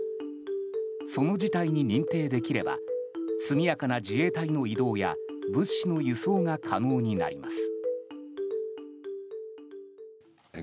その事態に認定できれば速やかな自衛隊の移動や物資の輸送が可能になります。